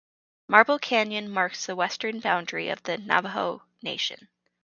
Marble Canyon marks the western boundary of the Navajo Nation.